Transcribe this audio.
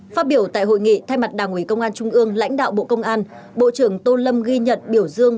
phát biểu tại hội nghị thay mặt đảng ủy công an trung ương lãnh đạo bộ công an bộ trưởng tô lâm ghi nhận biểu dương